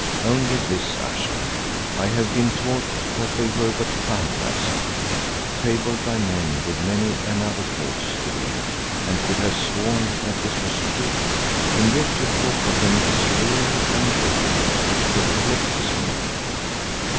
"Only this, Ayesha; I have been taught that they were but phantasms fabled by men with many another false divinity, and could have sworn that this was true. And yet you talk of them as real and living, which perplexes me."